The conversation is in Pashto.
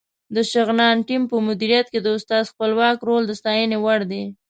د شغنان ټیم په مدیریت کې د استاد خپلواک رول د ستاینې وړ دی.